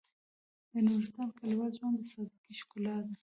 د نورستان کلیوال ژوند د سادهګۍ ښکلا ده.